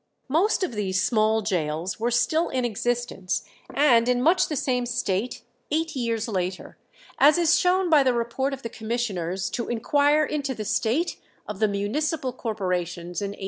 Most of these small gaols were still in existence and in much the same state eight years later, as is shown by the report of the Commissioners to inquire into the state of the municipal corporations in 1835.